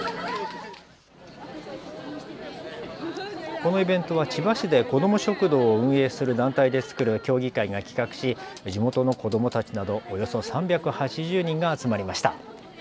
このイベントは千葉市で子ども食堂を運営する団体で作る協議会が企画し地元の子どもたちなどおよそ３８０人が集まりました。